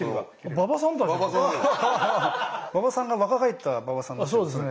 馬場さんが若返った馬場さんみたいですね。